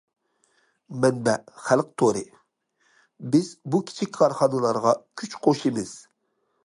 مەنبە: خەلق تورى بىز بۇ كىچىك كارخانىلارغا كۈچ قوشىمىز.